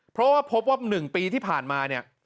เพราะว่าพบว่า๑ปีที่ผ่านมาเนี่ย